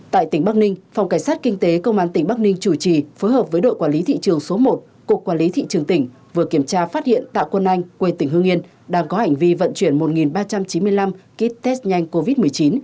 tại tỉnh bắc ninh phòng cảnh sát kinh tế công an tỉnh bắc ninh chủ trì phối hợp với đội quản lý thị trường số một cục quản lý thị trường tỉnh vừa kiểm tra phát hiện tạ quân anh quê tỉnh hương yên đang có hành vi vận chuyển một ba trăm chín mươi năm kit test nhanh covid một mươi chín